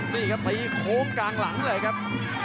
นี่ครับตีโค้งกลางหลังเลยครับ